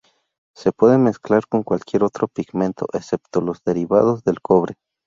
Se puede mezclar con cualquier otro pigmento, excepto los derivados del cobre.